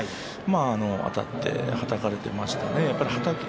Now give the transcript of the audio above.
あたって、はたかれていましたね。